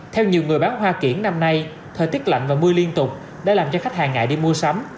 theo nhiều người bán hoa kiển năm nay thời tiết lạnh và mưa liên tục đã làm cho khách hàng ngại đi mua sắm